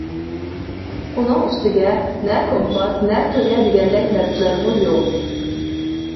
ئۇنىڭ ئۈستىگە نە كومپاس، نە تۆگە دېگەندەك نەرسىلەرمۇ يوق.